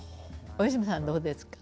大泉さんはどうですか？